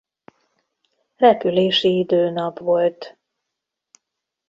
Repülési idő nap volt.